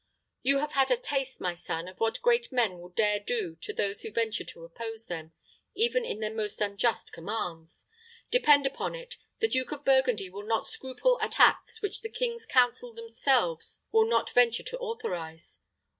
You have had a taste, my son, of what great men will dare do to those who venture to oppose them, even in their most unjust commands. Depend upon it, the Duke of Burgundy will not scruple at acts which the king's council themselves would not venture to authorize.